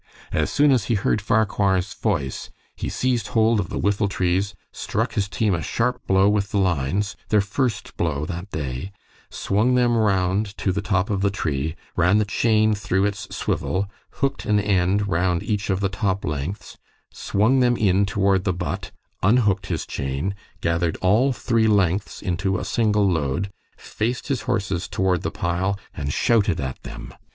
As soon as he heard Farquhar's voice, he seized hold of the whiffletrees, struck his team a sharp blow with the lines their first blow that day swung them round to the top of the tree, ran the chain through its swivel, hooked an end round each of the top lengths, swung them in toward the butt, unhooked his chain, gathered all three lengths into a single load, faced his horses toward the pile, and shouted at them.